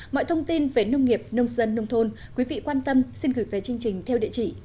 mọi thông tin về nông nghiệp nông dân nông thôn quý vị quan tâm xin gửi về chương trình theo địa chỉ